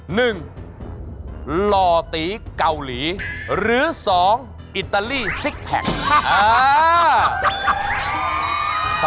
หล่อตีเกาหลีหรือสองอิตาลีซิกแพค